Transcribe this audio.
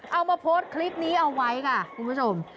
เอามาโพสต์คลิปนี้เอาไว้ค่ะคุณผู้ชม